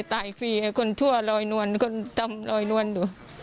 ตายฟรีคนชั่วลอยนวลคนจำลอยนวล